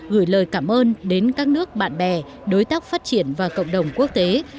gửi lời cảm ơn đến các nước bạn bè đối tác phát triển và cộng đồng quốc tế